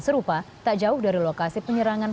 serupa tak jauh dari lokasi penyerangan